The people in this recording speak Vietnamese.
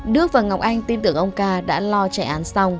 đức và ngọc anh tin tưởng ông ca đã lo chạy án xong